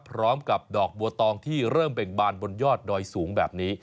พร้อมกับดอกบัวตองที่เริ่มเบ่งบานบนยอดดอยสูงแบบนี้